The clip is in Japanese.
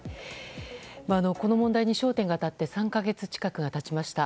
この問題に焦点が当たって３か月近くがたちました。